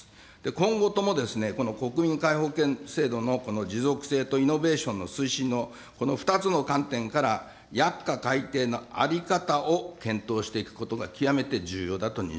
今後ともこの国民皆保険制度のこの持続性とイノベーションの推進のこの２つの観点から薬価改定の在り方を検討していくことが極め